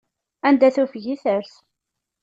Anda tufeg i ters.